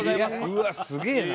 うわっすげえな！